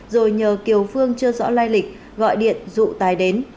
rồi nhờ kiều phương chưa rõ lai lịch gọi điện dụ tài đến